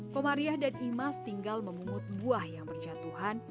komariah dan imas tinggal memungut buah yang berjatuhan